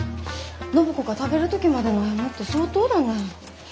暢子が食べる時まで悩むって相当だね。